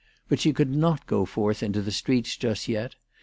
But she could not go forth into the streets just yet.